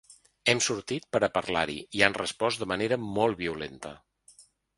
Hem sortit per a parlar-hi i han respost de manera molt violenta.